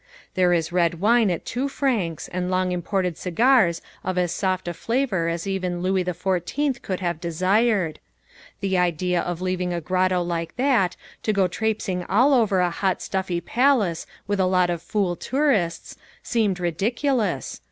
There is red wine at two francs and long imported cigars of as soft a flavour as even Louis the Fourteenth could have desired. The idea of leaving a grotto like that to go trapesing all over a hot stuffy palace with a lot of fool tourists, seemed ridiculous.